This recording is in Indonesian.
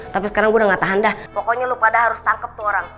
tapi sekarang gue udah gak tahan dah pokoknya lo pada harus tangkap tuh orang